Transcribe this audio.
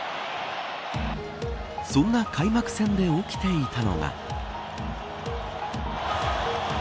そんな開幕戦で起きていたのが。